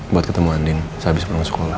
buat ketemu andien sehabis pulang sekolah